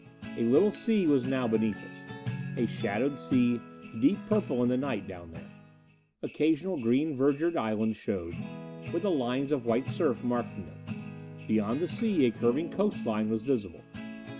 A little sea was now beneath us. A shadowed sea, deep purple in the night down there. Occasional green verdured islands showed, with the lines of white surf marking them. Beyond the sea, a curving coastline was visible.